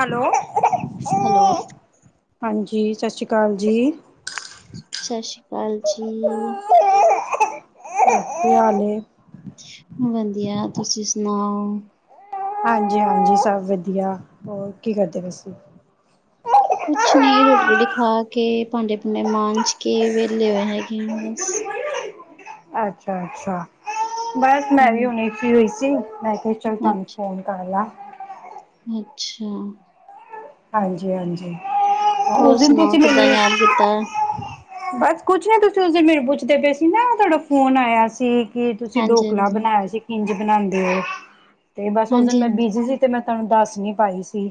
Hello hello ਹਾਂਜੀ, ਸਤਿ ਸ੍ਰੀ ਅਕਾਲ ਜੀ। ਸਤਿ ਸ੍ਰੀ ਅਕਾਲ ਜੀ। ਕੀ ਹਾਲ ਏ? ਵਧੀਆ ਤੁਸੀਂ ਸੁਣਾਓ ਹਾਂਜੀ ਹਾਂਜੀ ਸਭ ਵਧੀਆ ਹੋਰ ਕੀ ਕਰਦੇ ਤੁਸੀਂ ਕੁਛ ਨੀ ਰੋਟੀ ਰੋਟੀ ਖਾ ਕੇ ਭਾਂਡੇ ਭੂੰਡੇ ਮਾਂਜ ਕੇ ਵਿਹਲੇ ਹੋਏ ਹੈਗੇ ਆ ਬਸ ਅੱਛਾ ਅੱਛਾ ਬਸ ਮੈਂ ਵੀ ਹੂੰ, ਹੁਣੇ ਹੋਈ ਸੀ ਮੈਂ ਚਲ ਤੁਹਾਨੂੰ ਫੋਨ ਕਰ ਲਾ ਅੱਛਾ ਹਾਂਜੀ-ਹਾਂਜੀ ਹੋਰ ਉਸ ਦਿਨ ਸੁਣਾਓ ਤੇ ਕਿੱਦਾਂ ਮੈਨੂੰ ਯਾਦ ਕੀਤਾ? ਬਸ ਕੁਛ ਨੀ ਤੁਸੀਂ ਉਸ ਦਿਨ ਮੇਨੂੰ ਪੁੱਛਦੇ ਪਏ ਸੀ ਨਾ ਤੁਹਾਡਾ ਫੋਨ ਆਇਆ ਸੀ। ਕੀ ਤੁਸੀਂ ਹਾਂਜੀ ਡੋਕਲਾ ਹਾਂਜੀ, ਬਣਾਇਆ ਸੀ ਖੰਜ ਬਣਾਉਂਦੇ ਹੋ ਤੇ ਬਸ ਉਸ ਦਿਨ ਹਾਂਜੀ ਮੈਂ ਹਾਂਜੀ, ਬੀਜੀ ਸੀ। ਤੇ ਮੈਂ ਤੁਹਾਨੂੰ ਦੱਸ ਨੀ ਪਾਈ ਸੀ।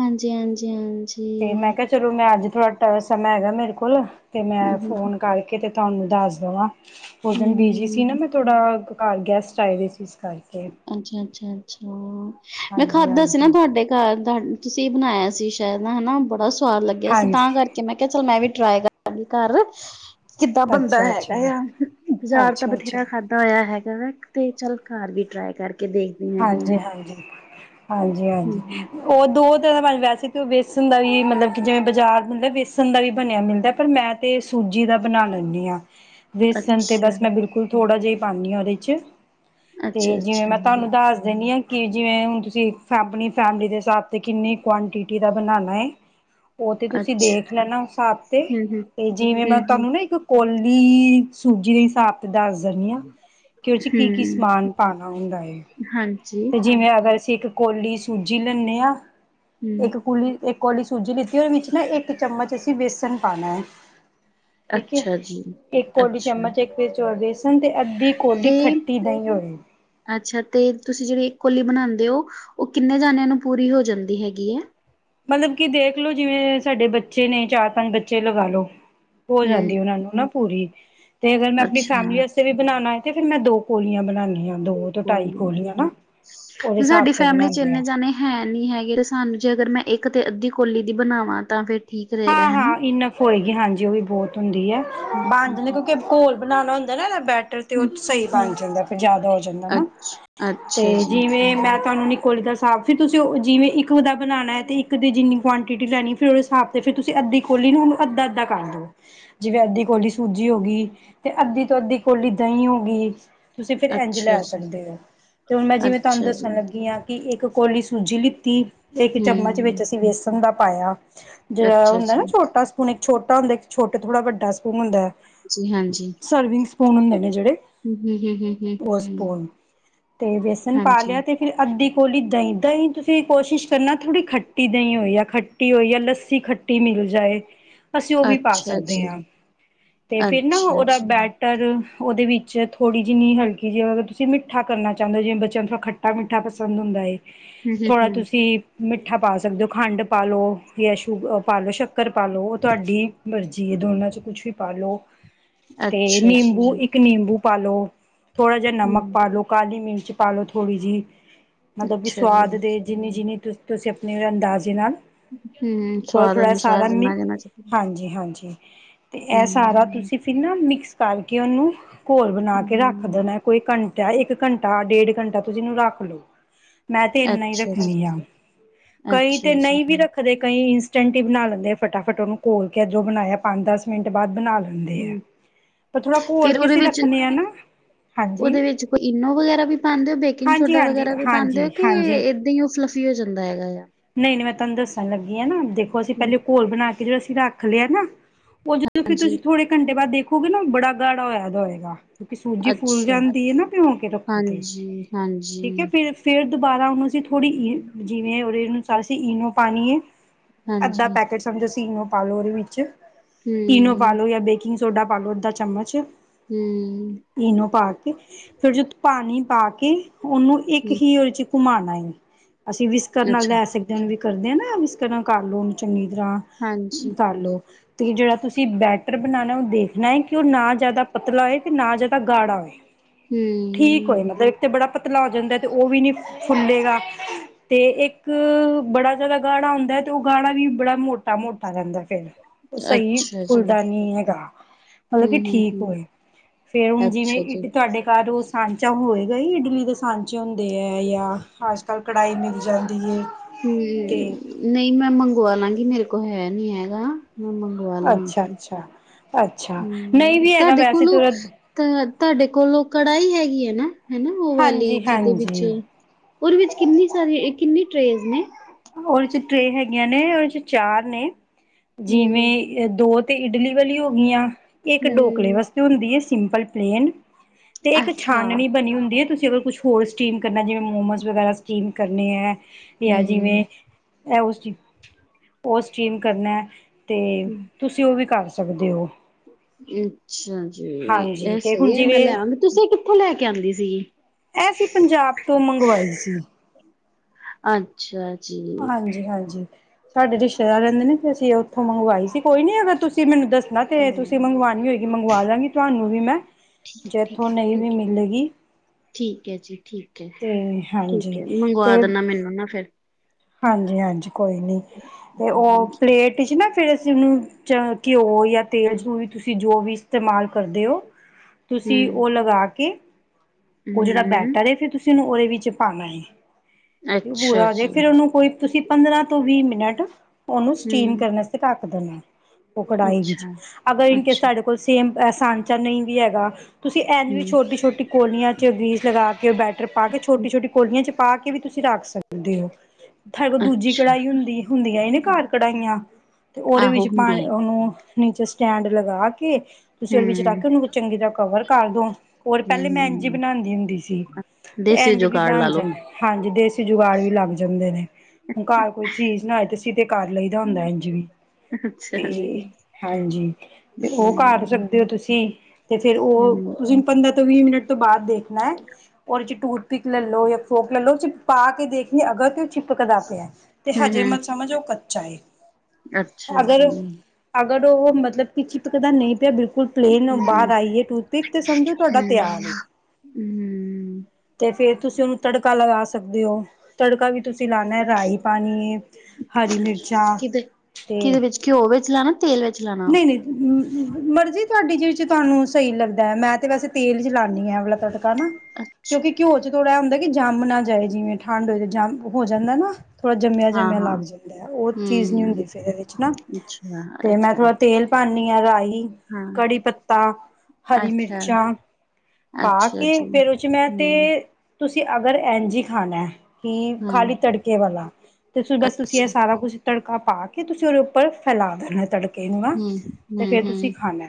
ਹਾਂਜੀ ਹਾਂਜੀ ਹਾਂਜੀ ਤੇ ਮੈਂ ਕਿਹਾ ਚਲੋ ਮੈਂ ਅੱਜ ਥੋੜਾ ਸਮਾਂ ਹੈਗਾ ਮੇਰੇ ਕੋਲ ਤੇ ਹੂੰ ਮੈਂ ਹੂੰ, ਫੋਨ ਕਰਕੇ ਤੇ ਤੁਹਾਨੂੰ ਦੱਸ ਦਵਾਂ ਉਹ ਦਿਨ ਹੂੰ ਬੀਜੀ ਸੀ ਨਾ ਹੂੰ, ਮੈਂ ਥੋੜਾ ਘਰ ਗੈਸਟ ਆਏ ਦੇ ਸੀ ਇਸ ਕਰਕੇ ਅੱਛਾ ਅੱਛਾ ਅੱਛਾ ਮੈਂ ਹਾਂਜੀ ਖਾਧਾ ਸੀ ਨਾ ਹਾਂਜੀ ਤੁਹਾਡੇ ਘਰ ਦਾ ਤੁਸੀਂ ਬਣਾਇਆ ਸੀ ਸ਼ਾਇਦ ਹਨਾ ਬੜਾ ਸਵਾਦ ਲੱਗਿਆ ਸੀ ਹਾਂਜੀ ਤਾਂ ਕਰਕੇ ਮੈਂ ਕਿਹਾ ਚਲ ਮੈਂ ਵੀ ਟਰਾਈ ਕਰਾਂਗੀ ਘਰ ਕਿੱਦਾਂ ਬੰਦਾ ਅੱਛਾ ਹੈਗਾ ਅੱਛਾ ਆ ਬਾਜ਼ਾਰ ਤਾਂ ਅੱਛਾ ਅੱਛਾ ਬਥੇਰਾ ਖਾਧਾ ਹੋਇਆ ਹੈਗਾ ਵ ਤੇ ਚੱਲ ਘਰ ਵੀ ਟਰਾਈ ਕਰਕੇ ਦੇਖ ਹਾਂਜੀ ਹਾਂਜੀ ਹਾਂਜੀ ਹੂੰ ਹਾਂਜੀ ਹੂੰ ਉਹ ਦੋ ਤਰ੍ਹਾਂ ਵੈਸੇ ਤਾਂ ਉਹ ਵੇਸਣ ਦਾ ਵੀ ਮਤਲਬ ਕਿ ਜਿਵੇਂ ਬਾਜ਼ਾਰ ਮਤਲਬ ਵੇਸਣ ਦਾ ਵੀ ਬਣਿਆ ਮਿਲਦਾ ਪਰ ਮੈਂ ਤੇ ਸੂਜੀ ਦਾ ਬਣਾ ਲੈਂਦੀ ਹਾਂ ਵੇਸਣ ਤੇ ਅੱਛਾ ਬਸ ਮੈਂ ਬਿਲਕੁਲ ਥੋੜਾ ਜਿਹਾ ਪਾਉਦੀ ਹਾਂ ਉਹਦੇ ਚ ਅੱਛਾ ਤੇ ਜਿਵੇਂ ਅੱਛਾ ਮੈਂ ਤਾਨੂੰ ਦੱਸ ਦਿੰਦੀ ਹਾਂ ਕਿ ਜਿਵੇਂ ਹੁਣ ਤੁਸੀਂ ਫੈਪਣੀ ਫੈਮਿਲੀ ਦੇ ਹਿਸਾਬ 'ਤੇ ਕਿੰਨੀ ਕੁਆਂਟਿਟੀ ਦਾ ਬਣਾਉਣਾ ਹੈਏ ਉਹ ਤੇ ਤੁਸੀਂ ਅੱਛਾ ਦੇਖ ਲੈਣਾ ਹਿਸਾਬ ਤੇ ਹੂੰ ਹੂੰ ਤੇ ਜਿਵੇਂ ਹੂੰ ਮੈਂ ਤੁਹਾਨੂੰ ਨਾ ਹੂੰ ਇੱਕ ਕੋਲੀ ਸੂਜੀ ਦੇ ਹਿਸਾਬ ਅਤੇ ਦੱਸ ਦਿੰਦੀ ਹਾਂ ਕਿ ਉਹ 'ਚ ਕੀ ਕੀ ਹੂੰ ਸਮਾਨ ਪਾਉਣਾ ਹੁੰਦਾ ਹੈ। ਹਾਂਜੀ ਤੇ ਜਿਵੇਂ ਅਗਰ ਅਸੀਂ ਇੱਕ ਕੌਲੀ ਸੂਜੀ ਲੈਂਦੇ ਹਾਂ ਹੂੰ ਇੱਕ ਕੁਲੀ ਇੱਕ ਵਾਲੀ ਸੂਜੀ ਲਿੱਤੀ ਉਹਦੇ ਵਿੱਚ ਨਾ ਇੱਕ ਚਮਚ ਅਸੀਂ ਬੇਸਨ ਪਾਣਾ ਹੈ। ਠੀਕ ਹੈ ਅੱਛਾ ਜੀ ਇੱਕ ਕੋਲੀ ਅੱਛਾ ਚਮਚ ਇੱਕ ਵਿੱਚ ਬੇਸਣ ਤੇ ਅੱਧੀ ਤੇ ਕੋਲੀ ਖੱਟੀ ਦਹੀਂ ਹੋਵੇ ਅੱਛਾ ਤੇ ਤੁਸੀਂ ਜਿਹੜੀ ਕੋਲੀ ਬਣਾਉਂਦੇ ਹੋ ਉਹ ਕਿੰਨੇ ਜਾਣਿਆਂ ਨੂੰ ਪੂਰੀ ਹੋ ਜਾਂਦੀ ਹੈਗੀ ਹੈ। ਮਤਲਬ ਕਿ ਦੇਖਲੋ ਜਿਵੇਂ ਸਾਡੇ ਬੱਚੇ ਨੇ ਚਾਰ ਪੰਜ ਬੱਚੇ ਲਗਾ ਲਓ ਹੋ ਹੂੰ ਜਾਂਦੀ ਉਹਨਾਂ ਨੂੰ ਨਾ ਪੂਰੀ ਤੇ ਅਗਰ ਮੈਂ ਆਪਣੀ ਅੱਛਾ ਫੈਮਿਲੀ ਵੀ ਬਣਾਉਣਾ ਹੈ ਤੇ ਫੇਰ ਮੈਂ ਦੋ ਕੋੋਲੀਆਂ ਬਣਾਦੀ ਹਾਂ ਦੋ ਤੋਂ ਢਾਈ ਕੋਲੀਆਂ ਨਾ ਉਹਦੇ ਹਿਸਾਬ ਸਾਡੀ ਤੇ ਫੈਮਿਲੀ ਚ ਬਣਾਉਂਦੇ ਹਾਂ ਇੰਨੇ ਜਾਣੇ ਹੈ ਨੀ ਹੈਗੇ ਤੇ ਸਾਨੂੰ ਜੇ ਅਗਰ ਮੈਂ ਇੱਕ ਤੇ ਅੱਧੀ ਕੋਲੀ ਦੀ ਬਣਾਵਾਂ ਤਾਂ ਫੇਰ ਹਾਂ ਹਾਂ ਇਨਫ ਹੋਏਗੀ ਹਾਂਜੀ ਉਹ ਵੀ ਬਹੁਤ ਹੁੰਦੀ ਹੈ ਬਣ ਹੂੰ, ਜਾਂਦੇ ਕਿਉਂਕਿ ਘੋਲ ਬਣਾਉਣਾ ਹੁੰਦਾ ਨਾ ਇਹ ਬੈ ਸਹੀ ਬਣ ਹੂੰ। ਜਾਂਦਾ ਫੇਰ ਜਿਆਦਾ ਹੋ ਜਾਂਦਾ ਨਾ ਅੱਛ ਤੇ ਅੱਛਾ ਜੀ, ਜਿਵੇਂ ਮੈਂ ਤੁਹਾਨੂੰ ਕੋਲੀ ਦਾ ਹਿਸਾਬ ਫਿਰ ਤੁਸੀਂ ਜਿਵੇਂ ਇੱਕ ਦਾ ਬਣਾਉਣਾ ਹੈ ਅਤੇ ਇੱਕ ਦੀ ਜਿੰਨੀ ਕੁਆਂਟਿਟੀ ਲੈਣੀ ਫਿਰ ਉਹਦੇ ਹਿਸਾਬ ਤੇ ਫਿਰ ਤੁਸੀਂ ਅੱਧੀ ਖੋਲੀ ਨਾ ਉਹਨੂੰ ਅੱਧਾ ਅੱਧਾ ਕਰ ਦੋ ਜਿਵੇਂ ਅੱਧੀ ਕੋਲੀ ਸੂਜੀ ਹੋ ਗਈ ਤੇ ਅੱਧੀ ਤੋਂ ਅੱਧੀ ਕੋਲੀ ਦਹੀਂ ਹੋ ਗਈ ਤੁਸੀਂ ਫਿਰ ਇੰਝ ਅੱਛਾ ਲੈ ਜੀ, ਸਕਦੇ ਹੋ ਤੇ ਹੁਣ ਮੈਂ ਜਿਵੇਂ ਤੁਹਾਨੂੰ ਅੱਛਾ ਦੱਸਣ ਜੀ। ਲੱਗੀ ਹਾਂ ਕਿ ਇੱਕ ਕੋਲੀ ਸੂਜੀ ਲਿੱਤੀ ਇੱਕ ਚਮਚ ਵਿੱਚ ਹੂੰ, ਅਸੀਂ ਬੇਸਣ ਦਾ ਪਾਇਆ ਜਿਹੜਾ ਅੱਛਾ ਹੋਦਾ ਜੀ, ਨਾ ਛੋਟਾ ਸਪੂਨ ਇੱਕ ਛੋਟ ਹੁੰਦਾ ਇੱਕ ਛੋਟ ਥੋੜਾ ਵੱਡਾ ਸਪੂਨ ਹੁੰਦਾ ਜੀ ਹਾਂਜੀ। ਸਰਵਿੰਗ ਸਪੂਨ ਹੁੰਦੇ ਨੇ ਜਿਹੜੇ ਹੂੰ, ਹੂੰ, ਹੂੰ, ਹੂੰ, ਹੂੰ, ਉਹ ਹੂੰ ਸਪੂਨ ਤੇ ਵੈਸਣ ਪਾ ਲਿਆ ਹਾਂਜੀ, ਤੇ ਫਿਰ ਅੱਧੀ ਕੋਲੀ ਦਹੀਂ ਦਹੀਂ ਤੁਸੀਂ ਕੋਸ਼ਿਸ਼ ਕਰਨਾ ਥੋੜ੍ਹੀ ਖੱਟੀ ਦਹੀਂ ਹੋ ਜਾਂ ਖੱਟੀ ਹੋਈ ਜਾਂ ਲ ਕੀ ਖੱਟੀ ਮਿਲ ਜਾਏ ਅਸੀਂ ਉਹ ਵੀ ਪਾ ਅੱਛਾ ਸਕਦੇ ਜੀ, ਹਾਂ ਤੇ ਫਿਰ ਨਾ ਅੱਛਾ ਉਹਦਾ ਜੀ। ਬੈਟ ਹੂੰ, ਟਰ ਉਹਦੇ ਵਿਚ ਥੋੜ੍ਹੀ ਜਿਨਿ ਹਲਕੀ ਜਿਹੀ ਅਗਰ ਤੁਸੀਂ ਮਿੱਠ ਕਰ ਚਾਹੁੰਦੇ ਜਿਵੇ ਬੱਚਿਆਂ ਥੋੜ੍ਹਾ ਖੱ ਖੱਟਾ ਮਿੱਠਾ ਪਸੰਦ ਹੁੰਦਾ ਹੈ ਹੂੰ, ਥੋੜਾ ਹੂੰ, ਤੁਸੀਂ ਮਿੱਠਾ ਪਾ ਸਕਦੇ ਹੋ ਖੰਡ ਪਾ ਲਓ ਜਾਂ ਪਾ ਲੋ ਸ਼ੱਕਰ ਪਾ ਲ ਲੋ ਉਹ ਤੁਹਾਡੀ ਮਰਜ਼ੀ ਹੈ ਦੋਨਾਂ ਚ ਕੁਛ ਵੀ ਪਾਾਲ ਲੋ ਤੇ ਅੱਛਾ ਜੀ, ਨਿੰਬੂ ਇੱਕ। ਇੱਕ ਨਿੰਬੂ ਪਾ ਲੋ, ਥੋੜਾ ਜਿਹੀ ਨਮਕ ਹੂੰ, ਪਾ ਲੋ, ਕਾਲੀ ਮਿਰਚ ਪਾ ਲੋ ਥੋੜ੍ਹੀ ਜਿਹੀ। ਮਤਲਬ ਕਿ ਅੱਛਾ ਸੁਵਾਦ ਜੀ। ਦੇ ਜਿੰਨੀ ਜਿੰਨੀ ਤੁਸੀਂ ਆਪਣੇ ਅੰਦਾਜ਼ੇ ਨਾਲ। ਹਮ ਥੋੜ੍ਹਾ ਥੋੜ੍ਹਾ ਇਹ ਸਾਰਾ ਨੀ ਹਾਂਜੀ ਹਾਂਜੀ ਤੇ ਇਹ ਸਾਰਾ ਤੁਸੀਂ ਫਿਰ ਨਾ ਮਿਕਸ ਕਰਕੇ, ਉਹਨੂੰ ਘੋਲ ਬਣਾ ਕੇ ਰੱਖ ਹੂੰ, ਦੇਣਾ ਹੈ। ਕੋਈ ਘੰਟਾ, ਇੱਕ ਘੰਟਾ, ਡੇਢ ਘੰਟਾ ਤੁਸੀਂ ਇਹਨੂੰ ਰੱਖ ਲਓ। ਮੈਂ ਤੇ ਇੰਨਾ ਹੀ ਅੱਛਾ ਜੀ। ਰੱਖਣੀ ਆਂਕਈ ਅੱਛਾ ਤੇ ਜੀ ਨਹੀਂ ਵੀ ਰੱਖਦੇ ਕਈ ਸਟੰਟ ਹੀ ਬਣਾ ਲੈਂਦੇ ਆ ਫਟਾਫਟ ਉਹਨੂੰ ਘੋਲ ਕੇ ਜੋ ਬਣਾਇਆ ਪੰਜ ਦਸ ਮਿੰਟ ਬਾਅਦ ਬਣਾ ਲੈਂਦੇ ਆ। ਹੂੰ ਪਰ ਥੋੜ੍ਹਾ ਘੋਲ ਫਿਰ ਕੇ ਉਹਦੇ ਅਸੀਂ ਵਿੱਚ ਰੱਖਣੇ ਆ ਨਾ। ਹਾਂਜੀ ਉਹਦੇ ਵਿੱਚ ਕੋਈ ਇਨੋ ਵਗੈਰਾ ਵੀ ਪਾਉਂਦੇ ਹੋ, ਬੇਕਿੰਗ ਹਾਂਜੀ ਸੋਡਾ ਹਾਂਜੀ ਵਗੈਰਾ ਵੀ ਪਾਉਂਦੇ ਹੋ, ਹਾਂਜੀ ਕਿ ਹਾਂਜੀ ਏਦਾਂ ਹੀ ਫਲਫ। ਕਿ ਹੌ ਜਾਂਦਾ ਹੈਗਾ ਆ। ਨਹੀਂ ਨਹੀਂ ਮੈਂ ਤੁਹਾਨੂੰ ਦੱਸਣ ਲੱਗੀ ਹੈ ਨਾ ਦੇਖੋ ਅਸੀਂ ਹੂੰ, ਪਹਿਲੇ ਘੋਲ ਬਣਾ ਕੇ ਜੌ ਅਸੀਂ ਰੱਖ ਲਿਆ ਨਾ ਉਂਜ ਹਾਂਜੀ ਤੁਸੀਂ ਥੋੜੇ ਘੰਟੇ ਬਾਅਦ ਦੇਖੋਗੇ ਨਾ, ਬੜਾ ਗਾੜਾ ਹੋਏਦਾ ਹੋਏਗਾ। ਕਿਉਂਕਿ ਸੂਜੀ ਫੁਲ ਅੱਛਾ ਜਾਂਦੀ ਹੈ ਨਾ, ਭਿਉ ਕੇ ਰੱਖੋ ਤੇ ਹਾਂਜੀ ਹਾਂਜੀ ਠੀਕ ਹੈ ਫੇਰ ਫਿਰ ਦੁਬਾਰਾ ਉਹਨੂੰ ਅਸੀਂ ਥੋੜ੍ਹੀ ਜਿਵੇਂ ਓਹਦੇ ਅਨੁਸਾਰ ਅਸੀਂ ਈਨੋ ਪਾਨੀਏ। ਅੱਧਾ ਹਾਂਜੀ ਪੈਕੇਟ ਸਮਝੋ ਅਸੀਂ ਇਨੋ ਪਾਲੋ ਉਹਦੇ ਵਿੱਚ ਇਨੋ ਹੂੰ ਪਾਲੋ ਜਾਂ ਬੇਕਿੰਗ ਸੋਡਾ ਪਾਲੋ ਅੱਧਾ ਚਮਚ। [unintelligible] ਈਨੋ ਪਾ ਕੇ, ਫਿਰ ਜਦੋਂ ਪਾਣੀ ਪਾ ਕੇ, ਉਹਨੂੰ ਇੱਕ ਹੂੰ ਹੀ ਉਹਦੇ ਚ। ਘੁਮਾਣਾ ਹੈ ਅਸੀਂ ਵਿਸਕਸਰ ਨਾਲ ਅੱਛਾ ਲੈ ਸਕਦੇ ਹਾਂ, ਵਿ ਕਰਦੇ ਹਾਂ ਨਾ, ਵਿਕਸਰ ਨਾਲ ਕਰ ਲਓ ਓਹਨੂੰ ਚੰਗੀ ਤਰ੍ਹਾਂ। ਹਾਂਜੀ ਤਲ ਲੋ। ਤੇ ਜਿਹੜਾ ਤੁਸੀਂ ਬੈਟਰ ਬਣਾਨਾ, ਉਹ ਦੇਖਣਾ ਹੈ ਕਿ ਉਹ ਨਾ ਜ਼ਿਆਦਾ ਪਤਲਾ ਹੋਏ ਅਤੇ ਨਾ ਜ਼ਿਆਦਾ ਗਾੜਾ ਹੋਏ। [unintelligible] [unintelligible] ਠੀਕ ਹੋਏ ਮਤਲਬ ਇਕ ਤਾਂ ਬੜਾ ਪਤਲਾ ਹੋ ਜਾਂਦਾ ਹੈ, ਉਹ ਵੀ ਨਹੀਂ ਫੁੱਲੇਗਾ। ਤੇ ਇੱਕ ਬੜਾ ਜਿਆਦਾ ਗਾੜਾ ਹੁੰਦਾ ਹੈ। ਤੇ ਉਹ ਗਾੜਾ ਵੀ ਬੜਾ ਮੋਟਾ ਮੋਟਾ ਲਗਦਾ ਪਿਆ ਉਹ ਸਹੀ ਅੱਛਾ ਜੀ ਫੁੱਲਦਾ ਨੀ ਹੈਗਾ। ਮਤਲਬ ਹੂੰ ਕੀ ਹੂੰ ਠੀਕ ਹੂੰ ਹੋਏ ਫੇਰ ਹੁਣ ਜਿਵੇਂ ਅੱਛਾ ਜੀ ਕਿ ਤੁਹਾਡੇ ਘਰ ਉਸ ਖਰਚਾ ਹੋਏਗਾ ਹੀ ਇਡਲੀ ਦੇ ਸਾਂਚੇ ਹੁੰਦੇ ਹੈ ਜਾਂ ਅੱਜ -ਕੱਲ੍ਹ ਕੜਾਹੀ ਵਿਚ ਹਮ ਨਹੀਂ ਮੈਂ ਮੰਗਵਾ ਲਾਂਗੀ ਮੇਰੇ ਕੋਲ ਹੈ ਨੀ ਹੈਗਾ ਹੱਮ ਅੱਛਾ ਅੱਛਾ ਅੱਛਾ ਨਹੀਂ ਹੂੰ, ਵੀ ਹੈਗਾ ਤੁਹਾਡੇ ਵੈਸੇ ਤੇ ਕੋਲੋਂ ਤਾਂ ਤੁਹਾਡੇ ਕੋਲ ਕੜਾਹੀ ਹੈਗੀ ਹੈ ਨਾ, ਹੈ ਨਾ ਉਹ ਵਾਲੀ ਹਾਂਜੀ ਜਿਹਦੇ ਵਿੱਚ ਹਾਂਜੀ ਓਦੇ ਵਿੱਚ ਕਿੰਨੀ ਸਾਰੀ, ਏ ਕਿੰਨੀ ਟਰੇਜ਼ ਨੇ ਓਦੇ ਚ ਟਰੇਅ ਹੈਗੀਆਂ ਨੇ, ਓਦੇ ਚ ਚਾਰ ਨੇ ਹੂੰ ਜਿਵੇਂ ਦੋ ਤੇ ਇਡਲੀ ਵਾਲੀਆਂ ਹੋ ਗਈਆਂ। ਇੱਕ ਡੋਕਲੇ ਹੂੰ ਵਾਸਤੇ ਹੁੰਦੀ ਏ ਸਿੰਪਲ ਪਲੇਨ ਤੇ ਇੱਕ ਅੱਛਾ ਛਾਨਣੀ ਬਣੀ ਹੁੰਦੀ ਏ ਤੁਸੀਂ ਓ ਕੁੱਛ ਹੋੋਰ ਸਟੀਮ ਕਰਨਾ। ਜਿਵੇਂ ਮੋਮੋਸ ਵਗੈਰਾ ਸਟੀਮ ਕਰਨੇ ਆ ਯਾਂ ਹੂੰ ਜਿਵੇਂ- ਐ ਓ ਸਟੀਮ ਕਰਨਾ ਤੇ ਤੁਸੀਂ ਓ ਵੀ ਕਰ ਸਕਦੇ ਓ। ਅੱਛਾ ਜੀ ਐ ਤੇ ਸਈ ਹੁਣ ਐ ਮੈਂ ਜਿਵੇਂ ਲੈ ਆਗੀ ਤੁਸੀਂ ਕਿਥੋਂ ਲੈ ਕੇ ਆਂਦੀ ਸੀਗੀ? ਐ ਅਸੀ ਪੰਜਾਬ ਤੋਂ ਮੰਗਵਾਈ ਸੀ। ਅੱਛਾ ਜੀ! ਹਾਂਜੀ-ਹਾਂਜੀ ਸਾਡੇ ਰਿਸ਼ਤੇਦਾਰ ਰੈੱਦੇ ਨੇ, ਅਸੀਂ ਓਥੋਂ ਮੰਗਵਾਈ ਸੀ। ਕੋਈ ਨੀ ਅਗਰ ਤੁਸੀਂ ਮੈਨੂੰ ਦੱਸ ਨਾ ਤੇ ਤੁਸੀਂ ਹੂੰ ਮੰਗਵਾਣੀ ਹੋਏਗੀ ਮੰਗਵਾ ਦਾਂਗੀ ਤੁਆਨੂੰ ਵੀ ਮੈਂ। ਦੇ ਏਥੋਂ ਠੀਕ ਹੈ ਨਈ ਵੀ ਠੀਕ ਹੈ ਮਿਲੇਗੀ। ਠੀਕ ਐ ਜੀ, ਠੀਕ ਤੇ ਐ-ਠੀਕ ਹਾਂਜੀ ਐ ਮੰਗਵਾ ਤੇ ਦੇਣਾ ਮੈਨੂੰ ਨਾ ਫੇਰ ਹਾਂਜੀ-ਹਾਂਜੀ ਕੋਈ ਨੀ, ਤੇ ਓ ਹੂੰ ਪਲੇਟ ਚ ਨਾ ਫੇਰ ਅਸੀਂ ਓਨੂੰ ਚ ਘਿਓ ਯਾਂ ਤੇਲ ਚੋ ਤੁਸੀਂ ਜੋ ਵੀ ਇਸਤੇਮਾਲ ਕਰਦੇ ਓ ਤੁਸੀਂ ਹੂੰ ਓ ਲਗਾ ਕੇ ਓ ਜੜਾ ਹੂੰ ਬੈਟਰ ਏ ਫਿਰ ਤੁਸੀਂ ਓਨੂੰ ਓਦੇ ਵਿੱਚ ਪਾਣਾ ਏ। ਅੱਛਾ ਪੂਰਾ ਹੋ ਜੇ ਜੀ ਫਿਰ ਓਨੂੰ ਕੋਈ ਤੁਸੀਂ ਪੰਦਰਾਂ ਤੋਂ ਵੀਹ ਮਿੰਟ ਓਨੂੰ ਸਟੀਮ ਹੂੰ ਕਰਣ ਅ ਟੱਕ ਦੇਣਾ ਓ ਕੜਾਈ ਵਿੱਚ ਅੱਛਾ ਅਗਰ ਇਨਕੇਸ ਅੱਛਾ ਤਾਡੇ ਕੋਲ ਸ ਸੇਮ ਸਾਂਚਾ ਨਈ ਵੀ ਹੈਗਾ ਤੁਸੀਂ ਐੰਝ ਵੀ ਹੂੰ ਛੋਟੀ-ਛੋਟੀ ਕੋਲੀਆਂ ਚ ਗ੍ਰੀਸ ਲਗਾ ਕੇ ਬੈਟਰ ਪਾ ਕੇ ਛੋਟੀ-ਛੋਟੀ ਕੋਲੀਆਂ ਚ ਪਾ ਕੇ ਵੀ ਤੁਸੀਂ ਰੱਖ ਸਕਦੇ ਓ। ਤਾਡੇ ਕੋਲ ਦੂਜੀ ਅੱਛਾ ਕੜਾਈ ਹੁੰਦੀ ਹੁੰਦੀਆ ਈ ਨੇ ਕਾਰ ਕੜਾਇਆਂ ਤੇ ਓਦੇ ਆਹੋ ਵਿੱਚ ਪਾ ਹੁੰਦੀਆਂ ਓਨੂੰ ਨੀਚੇ ਸਟੈਂਡ ਲਗਾ ਕੇ ਤੁਸੀਂ ਓਦੇ ਵਿੱਚ ਹਮ ਰੱਖ ਕੇ ਓਨੂੰ ਚੰਗੀ ਤਰ੍ਹਾਂ ਕਵਰ ਕਰਦੋ। ਹੋਰ ਪੈਲੇ ਹਮ ਮੈਂ ਹਮ ਇੰਝ ਹੀ ਬਣਾਂਦੀ ਹੁੰਦੀ ਸੀ ਤੇ ਦੇਸੀ ਐੰਝ ਵੀ ਜੁਗਾੜ ਲਾ ਬਣ ਲੋ ਜਾਂਦੀ। ਹਾਂਜੀ ਦੇਸੀ ਜੁਗਾੜ ਵੀ ਲੱਗ ਜਾਂਦੇ ਨੇ ਹੁਣ ਕਾਰ ਕੋਈ ਚੀਜ਼ ਨਾ ਹੋਏ ਤੇ ਅਸੀ ਤੇ ਕਰ ਲਈ ਹੁੰਦਾ ਐੰਜ ਈ ਅੱਛਾ ਜੀ ਤੇ ਹਾਂਜੀ ਤੇ ਓ ਕਾਰ ਹਮ ਸਕਦੇ ਓ ਤੁਸੀਂ ਤੇ ਫੇਰ ਓ ਹਮ ਤੁਸੀਂ ਪੰਦਰਾਂ ਤੋਂ ਵੀਹ ਮਿੰਟ ਤੋਂ ਬਾਦ ਦੇਖਣਾ ਐ ਓਦੇ ਚ ਟੂਥ ਪਿੱਕ ਲੈ ਲੋ ਯਾ ਫੋਕ ਲੈਲੋ ਲੋਓ ਓਦੇ ਚ ਪਾ ਕੇ ਦੇਖਣੀ ਅਗਰ ਤੇ ਓ ਚਿਪ ਕਦਾ ਪਯਾ ਤੇ ਹਮ ਹਜੇ ਹਮ ਮਤ ਸਮਝ ਓ ਕੱਚਾ ਏ ਅੱਛਾ ਅਗਰ ਜੀ ਅਗਰ ਓ ਮਤਲਬ ਕਿ ਚਿਪਕਦਾ ਨਈ ਪਯਾ ਬਿਲਕੁਲ ਕੁਲ ਪਲੇਨ ਹਮ ਬਾਹਰ ਆਈ ਏ ਟੂਥਪਿਕ ਤੇ ਸਮਝੋ ਤੁਆਡਾ ਹਮ ਤੇਆਰ ਏ। ਹਮ ਤੇ ਫੇਰ ਤੁਸੀਂ ਓਨੂੰ ਤੜਕਾ ਲਗਾ ਸਕਦੇ ਓ ਤੜਕਾ ਵੀ ਤੁਸੀਂ ਲਾਣਾ ਰਾਈ ਪਾਣੀ ਏ ਹਰੀ ਮਿਰਚਾਂ ਤੇ ਕਿਓ ਵਿੱਚ ਲਾਣਾ ਤੇਲ ਵਿੱਚ ਲਾਣਾ? ਨਈ-ਨਈ ਮਰਜ਼ੀ ਤੁਆਡੀ ਜਿਦੇ ਚ ਤੁਹਾਨੂੰ ਸਹੀ ਲੱਗਦਾ ਮੈਂ ਤਾਂ ਵੈਸੇ ਤੇਲ ਚ ਲਾਣੀ ਆ ਐ ਵਾਲਾ ਤੜਕਾ ਨਾ ਅੱਛਾ ਕਿਉਂਕਿ ਘਿਓ ਚ ਥੋੜ੍ਹਾ ਐ ਹੁੰਦਾ ਕਿ ਜੰਮ ਨਾ ਜਾਏ ਜਿਵੇਂ ਠੰਡ ਹੋਏ ਤੇ ਜੰਮ ਹੋ ਜਾਂਦਾ ਨਾ ਥੋੜ੍ਹਾ ਹਾਂ ਜੰਮਿਆ-ਜੰਮਿਆ ਹਾਂ ਲੱਗ ਜਾਂਦਾ ਓ ਚੀਜ਼ ਨੀ ਹੁੰਦੀ ਹਮ ਫਿਰ ਐਦੇ ਚ ਨਾ ਅੱਛਾ ਤੇ ਮੈਂ ਅੱਛਾ ਥੋੜਾ ਤੇਲ ਪਾਣੀ ਆ ਰਾਈ, ਹਾਂ ਕੜੀ ਪੱਤਾ, ਹਰੀ ਅੱਛਾ ਮਿਰਚਾਂ ਪਾ ਅੱਛਾ ਕੇ ਜੀ ਫੇਰ ਓਚ ਮੈਂ ਤੇ ਹਮ ਤੁਸੀਂ ਅਗਰ ਐੰਝ ਈ ਖਾਣਾ ਤੇ ਹਮ ਖਾਲੀ ਤੜਕੇ ਵਾਲਾ ਤੇ ਬਸ ਤੁਸੀਂ ਐ ਅੱਛਾ ਸਾਰਾ ਕੁਛ ਤੜਕਾ ਪਾ ਕੇ ਤੁਸੀਂ ਓਦੇ ਉੱਪਰ ਫੈਲਾ ਦੇਣਾ ਤੜਕਾ ਕੇ ਨੂੰ ਨਾ ਹਮ ਹਮ ਫੇਰ ਤੁਸੀਂ ਹਮ ਖਾਣਾ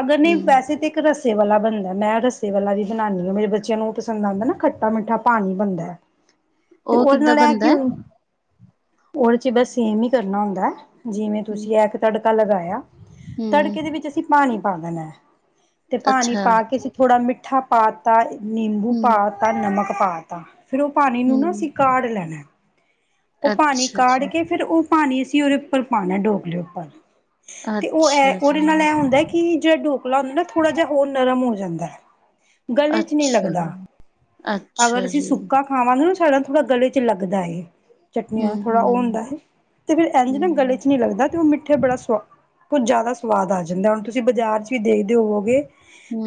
ਅਗਰ ਨੀ ਹਮ ਵੈਸੇ ਤੇ ਇੱਕ ਰੱਸੇ ਵਾਲਾ ਬਣਦਾ ਮੈਂ ਰੱਸੇ ਵਾਲਾ ਵੀ ਬਣਾਣੀ ਹਾਂ ਮੇਰੇ ਬੱਚਿਆਂ ਨੂੰ ਓ ਪਸੰਦ ਆਂਦਾ ਨਾ ਖੱਟਾ-ਮਿੱਠਾ ਪਾਣੀ ਹਮ ਬਣਦਾ। ਤੇ ਉਹਦੇ ਨਾਲ ਲੈ ਕਿਉ। ਉਹਦੇ ਚ ਬਸ ਸੇਮ ਹੀ ਕਰਨਾ ਹੁੰਦਾ ਜਿਵੇਂ ਤੁਸੀਂ ਐ ਤੇ ਤੁਹਾਡੇ। ਤਕਾ ਲਗਾਇਆ, ਹੂੰ, ਤੜਕੇ ਦੇ ਵਿੱਚ ਅਸੀਂ ਪਾਣੀ ਪਾ ਦੇਣਾ ਹੈ ਤੇ ਪਾਣੀ ਅੱਛਾ, ਪਾ ਕੇ ਅਸੀਂ ਥੋੜ੍ਹਾ ਮਿੱਠਾ ਪਾ ਤਾ, ਨਿੰਬੂ ਹੂੰ, ਪਾ ਤਾ, ਨਮਕ ਪਾ ਤਾ। ਫਿਰ ਉਹ ਪਾਣੀ ਨੂੰ ਨਾ ਹੂੰ। ਅਸੀਂ ਕਾਢ ਲੈਣਾ ਹੈ, ਉਹ ਪਾਣੀ ਅੱਛਾ ਕਾੜ ਜੀ, ਕੇ ਫਿਰ ਉਹ। ਪਾਣੀ ਅਸੀਂ ਉਹਦੇ ਉੱਪਰ ਪਾਉਣਾ ਡੋਗਲੇ ਉੱਪਰ ਤੇ ਉਹ ਐ ਅੱਛਾ ਜੀ, ਉਹਦੇ ਨਾਲ ਇਹ ਹੁੰਦਾ ਹੈ ਕਿ। ਜਿਹੜਾ ਡੋਕਲਾ ਹੁੰਦਾ ਨਾ, ਥੋੜਾ ਜਿਹਾ ਉਹ ਨਰਮ ਹੋ ਜਾਂਦਾ ਹੈ। ਗਲੇ ਚ ਨਹੀਂ ਅੱਛਾ, ਲੱਗਦਾ ਅਗਰ ਅੱਛਾ ਅਸੀਂ ਜੀ, ਸੁੱਕਾ। ਹਾਂ, ਮਾਂ ਨਾ ਸਾਡਾ ਨਾ ਥੋੜਾ ਗਲੇ ਚ ਲੱਗਦਾ ਏ। ਚਟਨੀਆਂ ਥੋੜਾ ਹੂੰ-ਹੂੰ, ਉਹ ਹੁੰਦਾ ਹੈ, ਤੇ ਫਿਰ ਇੰਝ ਨਾ ਹੂੰ, ਗਲੇ ਹੂੰ, ਚ ਨੀ ਲੱਗਦਾ ਤੇ ਉਹ ਮਿੱਠੇ ਬੜਾ ਕੁੱਝ ਜਿਆਦਾ ਸਵਾਦ ਆ ਜਾਂਦਾ, ਹੁਣ ਤੁਸੀਂ ਬਾਜ਼ਾਰ ਚ ਦੇਖਦੇ ਹੋਵੋਗੇ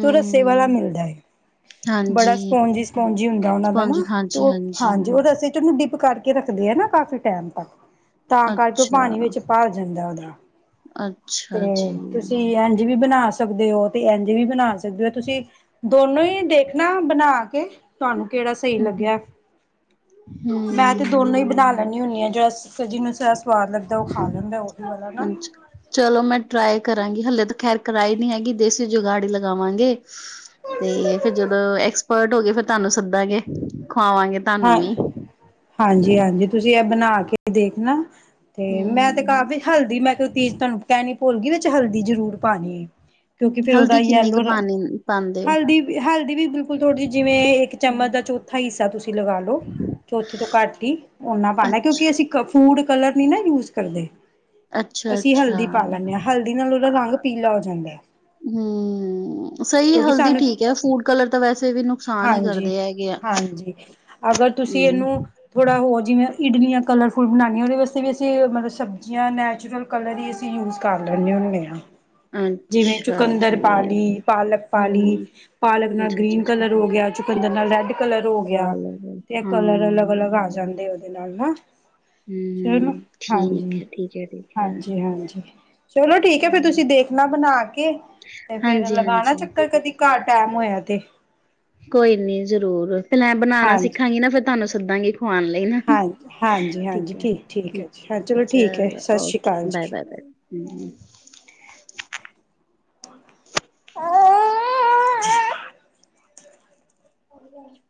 ਤੁਰਤ ਸੇਵਾਦਾਰ ਮਿਲਦਾ ਹੈ। ਬੜਾ ਹਾਂਜੀ, ਸਪੋਂਜੀ- ਸਪੋਂਜੀ ਹੁੰਦਾ ਉਹ ਦਾ ਸਪੰਜ ਨਾ ਤੇ ਉਹ ਹਾਂਜੀ-ਹਾਂਜੀ, ਹਾਂਜੀ ਉਹ ਰਸੇ ਚ ਉਹਨੂੰ ਕਰਕੇ ਰੱਖਦੇ ਆ ਨਾ ਕਾਫੀ ਟਾਈਮ ਤੱਕ ਤਾਂ ਕਰਕੇ ਉਹ ਅੱਛਾ, ਪਾਣੀ ਵਿੱਚ ਭਰ ਜਾਂਦਾ ਉਹਦਾ। ਤੇ ਅੱਛਾ ਜੀ। ਤੁਸੀਂ ਇੰਝ ਵੀ ਬਣਾ ਸਕਦੇ ਹੋ, ਤੇ ਇੰਝੇ ਵੀ ਬਣਾ ਸਕਦੇ ਹੋ ਤੁਸੀਂ। ਦੋਨੋ ਹੀ ਦੇਖਣਾ ਬਣਾ ਕੇ। ਤੁਹਾਨੂੰ ਕਿਹੜਾ ਸਹੀ ਹੂੰ। ਲੱਗਿਆ ਹੂੰ, ਮੈਂ ਤੇ ਦੋਨੋ ਹੀ ਬਣਾ ਹੂੰ। ਲੈਂਦੀ ਹੁੰਦੀ ਹਾਂ। ਫੇਰ ਜਿਨੂੰ ਸਾਰਾ ਸਵਾਦ ਲੱਗਦਾ, ਉਹ ਖਾ ਲੈਂਦਾ ਓਹੀ ਵਾਲਾ ਨਾ, ਅੱਛਾ, ਚਲੋ ਮੈਂ ਟਰਾਈ ਕਰਾਂਗੀ, ਹਲੇੇ ਤਾਂ ਖੈਰ ਕੜਾਈ ਨੀ ਹੈਗੀ, ਦੇਸੀ ਜੁਗਾੜ ਈ ਲਗਾਵਾਂਗੀ। ਤੇ ਫਿਰ ਜਦੋਂ ਐਕਸਪਰਟ ਹੋ ਗਏ, ਤੇ ਫਿਰ ਤੁਹਾਨੂੰ ਸੱਦਾਂਗੇ ਖਵਾਵਾਂਗੇ, ਹੈ ਤੁਹਾਨੂੰ ਵੀ। ਹਾਂਜੀ -ਹਾਂਜੀ ਤੁਸੀਂ ਏ ਬਣਾ ਕੇ ਤਾ ਦੇਖ ਨਾ, ਤੇ ਮੈਂ ਤੇ ਹੂੰ, ਕਾਫ਼ੀ ਹਲਦੀ ਮੈਂ ਤੋ ਚੀਜ਼ ਤਾਨੂੰ ਕੈਣੀ ਭੁੱਲ ਗਈ ਵਿੱਚ ਹਲਦੀ ਜ਼ਰੂਰ ਪਾਣੀ ਏ। ਕਿਉਂਕਿ ਫੇਰ ਓਦਾ ਹਲਦੀ ਕਿੰਨੀ ਯੇਲੋ ਕੁ ਰ- ਪਾਣੀ ਪਾਂਦੇ ਓ? ਹਲਦੀ -ਹਲਦੀ ਵੀ ਬਿਲਕੁਲ ਥੋੜੀ ਜੀ ਜਿਵੇਂ ਇੱਕ ਚਮਚ ਦਾ ਚੌਥਾ ਹਿੱਸਾ ਤੁਸੀਂ- ਪਾ ਲੋ ਚੌਥੇ ਤੋਂ ਘੱਟ ਈ, ਓਨਾ ਪਾਣਾ ਅੱਛ ਕਿਉਂਕਿ- ਤੁਸੀ ਕਫਾ ਵਾਲਾ ਕਲਰ ਨੀ ਨਾ ਯੂਜ ਕਰਦੇ। ਅਸੀਂ ਅੱਛਾ-ਅੱਛਾ, ਹਲਦੀ ਪਾ ਲੈਂਣੇ ਆ। ਹਲਦੀ ਨਾਲ ਓਦਾ ਰੰਗ ਪੀਲਾ ਓ ਜਾਂਦਾ। ਨਈ---ਸ‌ਈ ਕਿਉਂਕਿ ਹਲਦੀ ਸਾਨੂੰ ਠੀਕ ਐ, ਫੂਡ ਕਲਰ ਤਾਂ ਵੈਸੇ ਵੀ ਏਨੂੰ, ਹਾਂਜੀ -ਹਾਂਜੀ ਅਗਰ ਤੁਸੀਂ ਏਨੂੰ- ਹੂੰ। ਥੋੜ੍ਹਾ ਹੋਰ ਜਿਵੇਂ ਇਡਲੀਆਂ ਕਲਰਫੁਲ ਬਣਾਣੀਆ, ਓਦੇ ਵਸਤੇ ਵੀ ਅਸੀਂ ਮਤਲਬ ਸਬਜ਼ੀਆਂ ਨੈਚੁਰਲ, ਕਲਰ ਈ ਅਸੀਂ ਯੂਜ ਕਰ ਲੈਂਣੇ ਹੁੰਨੇ ਆਂ। ਜਿਵੇਂ ਅੱਛਾ ਚੁਕੰਦਰ ਜੀ, ਪਾ ਲੀ, ਪਾਲਕ ਪਾ ਲੀ, ਹੂੰ। ਪਾਲਕ ਨਾਲ ਅੱਛਾ-ਅੱਛਾ, ਗ੍ਰੀਨ- ਕਲਰ ਹੋ ਗਿਆ, ਚੁੱਕੰਦਰ ਨਾਲ ਰੈੱਡ- ਕਲਰ ਹੋ ਗੇਆ, ਤੇ ਏ ਹਾਂ। ਕਲਰ ਅਲੱਗ -ਅਲੱਗ ਆ ਜਾਂਦੇ ਓਦੇ ਨਾਲ ਨਾ। ਚਲੋ- ਹੂੰ, ਹਾਂਜੀ ਠੀਕ ਐ, ਠੀਕ ਐ, ਠੀਕ ਐ। -ਹਾਂਜੀ ਹਾਂਜੀ। ਚਲੋ ਠੀਕ ਏ ਫੇਰ ਤੁਸੀਂ ਦੇਖਣਾ ਬਣਾ ਕੇ, ਤੇ ਫੇਰ ਲਗਾਣਾ ਹਾਂਜੀ-ਹਾਂਜੀ, ਚੱਕਰ ਕਦੀ। ਘਰ ਟੈਮ ਹੋਇਆ ਤੇ, ਕੋਈ ਨੀ ਜ਼ਰੂਰ, ਤੇ ਮੈ ਬਣਾਣਾ ਹਾਂਜੀ ਸਿੱਖਾਂਗੀ ਨਾ ਫੇਰ ਤਾਨੂੰ ਸੱਦਾਂਗੀ। ਖਵਾਉਣ ਲਈ ਨਾ ਹਾ ਹਾਂਜੀ ਹਾਂਜੀ ਹਾਂਜੀ ਠੀਕ ਐ, ਠੀਕ ਹੈ ਜੀ ਹਾਂ ਠੀਕ ਹੈ ਚਲੋ- ਸਤਿ ਸ਼੍ਰੀ ਓਕੇ ਅਕਾਲ -ਬਾਏ, ਜੀ ਬਾਏ, ਬਾਏ। ਹੂੰ [unintelligible] [inaudible]